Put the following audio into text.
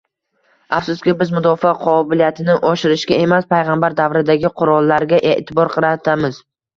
Afsuski, biz mudofaa qobiliyatini oshirishga emas, payg‘ambar davridagi qurollarga e’tibor qaratamiz